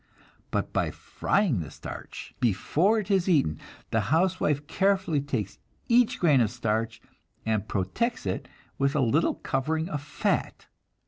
But by frying the starch before it is eaten, the housewife carefully takes each grain of the starch and protects it with a little covering of fat.